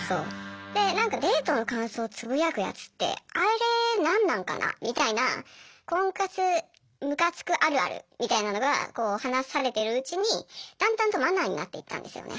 で何か「デートの感想つぶやくやつってあれなんなんかな」みたいな「婚活ムカつくあるある」みたいなのがこう話されてるうちにだんだんとマナーになっていったんですよね。